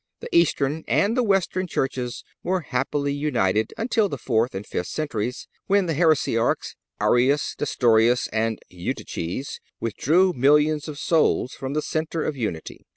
The Eastern and the Western churches were happily united until the fourth and fifth centuries, when the heresiarchs Arius, Nestorius and Eutyches withdrew millions of souls from the centre of unity.